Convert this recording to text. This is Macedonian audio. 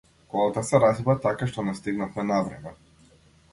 Колата се расипа така што не стигнавме на време.